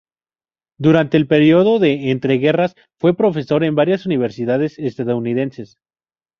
Durante el periodo de entreguerras fue profesor en varias universidades estadounidenses.